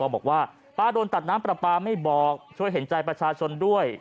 บอกว่าป้าโดนตัดน้ำปลาปลาไม่บอกช่วยเห็นใจประชาชนด้วย